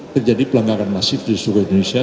terjadi pelanggaran masif di seluruh indonesia